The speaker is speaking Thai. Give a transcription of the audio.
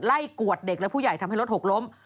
กวดเด็กและผู้ใหญ่ทำให้รถหกล้ม